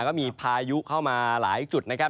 ก็มีพายุเข้ามาหลายจุดนะครับ